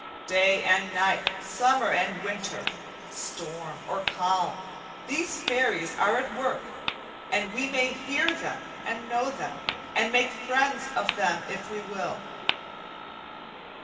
Day and night, summer and winter, storm or calm, these fairies are at work, and we may hear them and know them, and make friends of them if we will.